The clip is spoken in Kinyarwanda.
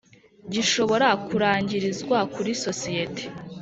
Gishobora kurangirizwa kuri sosiyete